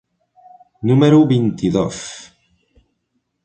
número vint-i-dos.